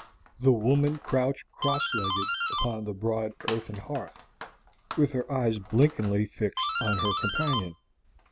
The woman crouched cross legged upon the broad earthen hearth, with her eyes blinkingly fixed on her companion.